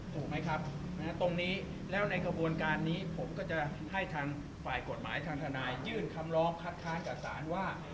ถูกไหมครับตรงนี้แล้วในกระบวนการนี้ผมก็จะให้ทางฝ่ายกฎหมายทางทนายยื่นคำร้องคัดค้านกับศาลว่า